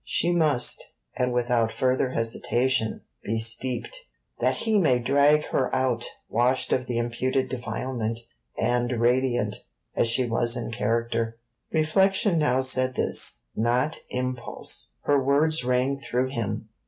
She must, and without further hesitation, be steeped, that he might drag her out, washed of the imputed defilement, and radiant, as she was in character. Reflection now said this; not impulse. Her words rang through him.